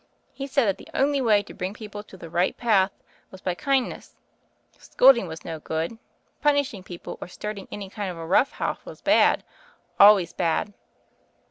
He said that the only way to bring people to the right path was by kind ness. Scolding was no good, punishing people or starting any kind of a rough house was bad \ THE FAIRY OF THE SNOWS \— always bad.